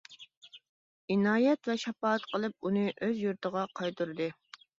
ئىنايەت ۋە شاپائەت قىلىپ ئۇنى ئۆز يۇرتىغا قايتۇردى.